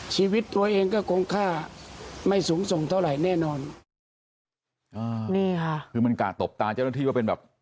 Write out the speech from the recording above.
ชีวิตตัวเองก็คงค่าไม่สูงส่งเท่าไหร่แน่นอนอ่านี่ค่ะคือมันกะตบตาเจ้าหน้าที่ว่าเป็นแบบ